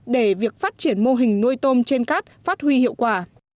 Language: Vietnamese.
để việc phát triển mô hình nuôi tôm trên cát phát huy hiệu quả